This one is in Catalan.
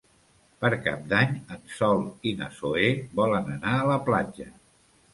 Per Cap d'Any en Sol i na Zoè volen anar a la platja.